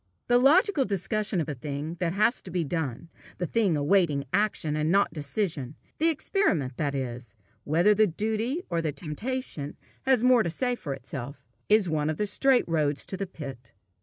The logical discussion of a thing that has to be done, a thing awaiting action and not decision the experiment, that is, whether the duty or the temptation has the more to say for itself, is one of the straight roads to the pit.